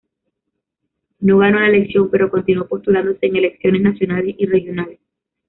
No ganó la elección, pero continuó postulándose en elecciones nacionales y regionales.